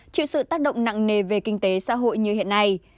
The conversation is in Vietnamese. chịu sự tác động nặng nề về kinh tế xã hội như hiện nay